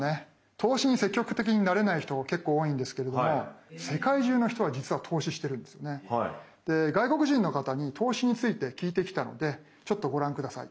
投資に積極的になれない人が結構多いんですけれども外国人の方に投資について聞いてきたのでちょっとご覧下さい。